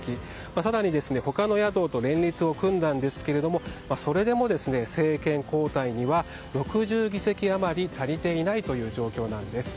更に他の野党と連立を組んだんですけれどもそれでも政権交代には６０議席余り足りていない状況なんです。